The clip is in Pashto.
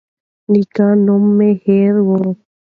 نیک نوم مه هیروئ.